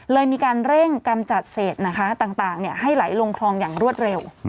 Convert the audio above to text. เลยมีการเร่งกำจัดเศษนะคะต่างให้ไหลลงคลองอย่างรวดเร็ว